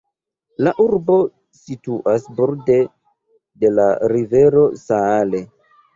La urbo situas borde de la rivero Saale.